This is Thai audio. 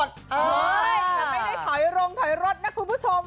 แต่ไม่ได้ถอยรงถอยรถนะคุณผู้ชม